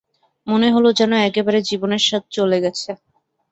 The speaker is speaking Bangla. মনে হল যেন একেবারে জীবনের স্বাদ চলে গেছে।